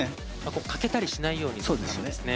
欠けたりしないようにですね。